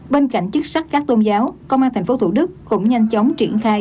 bên cạnh chức sách các tôn giáo công an tp thủ đức cũng nhanh chóng triển khai